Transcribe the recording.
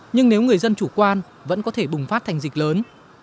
nhưng nếu người dân chủ quan vẫn có thể bùng phát thành dịch lớn